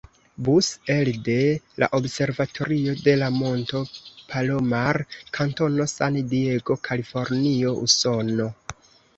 Bus elde la Observatorio de la Monto Palomar, kantono San Diego, Kalifornio, Usono.